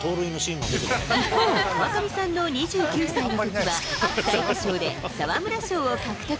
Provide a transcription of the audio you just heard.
一方、川上さんの２９歳のときは、最多勝で沢村賞を獲得。